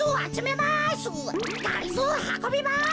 はこびます！